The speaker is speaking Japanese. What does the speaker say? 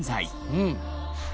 うん。